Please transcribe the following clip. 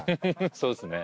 そうですね